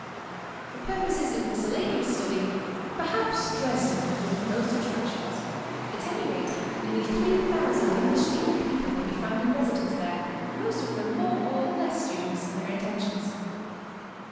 For purposes of miscellaneous study perhaps Dresden offers the most attractions. At any rate nearly 3000 Englisih speaking people may be found in residence there, mos«t of them more or less studious in their intentions.